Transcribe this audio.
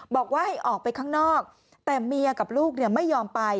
บอกว่าให้ออกไปข้างนอกแต่เมียกับลูกไม่ยอมไป